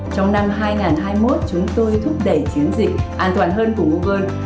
trong năm hai nghìn hai mươi một chúng tôi thúc đẩy chiến dịch an toàn hơn của huge